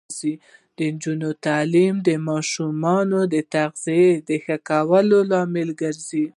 د نجونو تعلیم د ماشومانو تغذیه ښه کولو لامل دی.